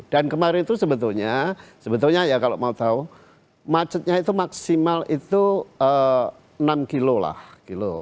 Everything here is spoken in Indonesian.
dan kemarin itu sebetulnya ya kalau mau tahu macetnya itu maksimal itu enam kilo lah kilo